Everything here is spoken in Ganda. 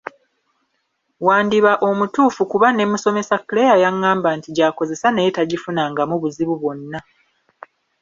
Wandiba omutuufu kuba ne musomesa Claire yaŋŋamba nti gy’akozesa naye tagifunangamu buzibu bwonna.